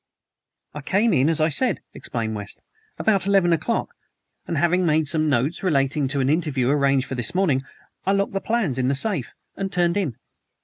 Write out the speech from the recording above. "I came in, as I said," explained West, "about eleven o'clock and having made some notes relating to an interview arranged for this morning, I locked the plans in the safe and turned in."